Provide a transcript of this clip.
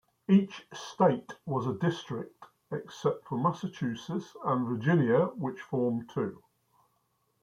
Each State was a district, except for Massachusetts and Virginia which formed two.